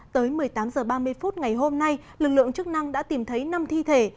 tới một mươi tám h ba mươi phút ngày hôm nay lực lượng chức năng đã tìm thấy năm thi thể